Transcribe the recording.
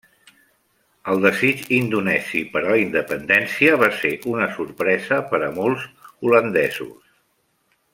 El desig indonesi per a la independència va ser una sorpresa per a molts holandesos.